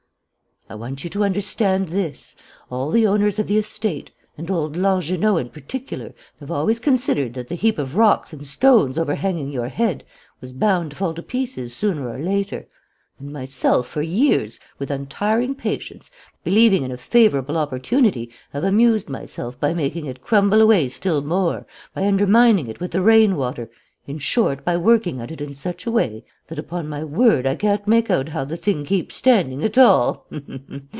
"I want you to understand this: all the owners of the estate, and old Langernault in particular, have always considered that the heap of rocks and stones overhanging your head was bound to fall to pieces sooner or later. And I myself, for years, with untiring patience, believing in a favourable opportunity, have amused myself by making it crumble away still more, by undermining it with the rain water, in short, by working at it in such a way that, upon my word, I can't make out how the thing keeps standing at all.